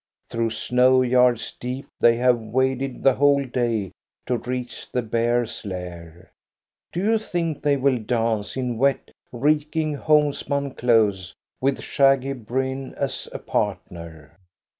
Through snow yards deep they have waded the whole day to reach the bear's lair. Do you think they will dance in wet, reeking homespun clothes, with shaggy bruin as a partner?